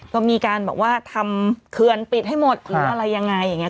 ก็มีการบอกว่าทำเขื่อนปิดให้หมดหรืออะไรยังไงอย่างนี้